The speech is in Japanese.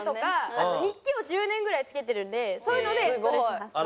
あと日記を１０年ぐらいつけてるのでそういうのでストレス発散。